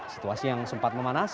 situasi yang sempat memanas